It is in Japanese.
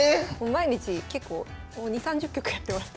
毎日結構２０３０局やってます